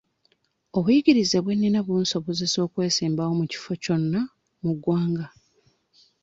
Obuyigirize bwe nnina bunsobozesa okwesimbawo ku kifo kyonna mu ggwanga.